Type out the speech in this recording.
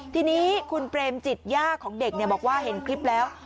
ทีนี้คุณเปรมจิตย่าของเด็กบอกว่าเห็นคลิปแล้ว